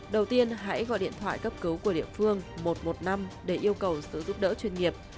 đầu tiên hãy gọi điện thoại cấp cứu của địa phương một trăm một mươi năm để yêu cầu sự giúp đỡ chuyên nghiệp